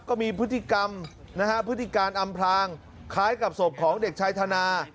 ก็มีพฤติกรรมนะฮะพฤติการอำพลางคล้ายกับศพของเด็กชายธนา